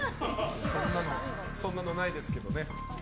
そんなのないですけどね。